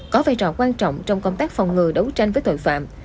có vai trò quan trọng trong công tác phòng ngừa đấu tranh với tội phạm